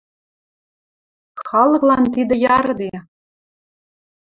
Халыклан тидӹ ярыде.